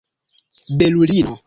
belulino